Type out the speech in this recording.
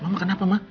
mama kenapa mah